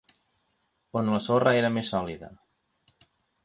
on la sorra era més sòlida.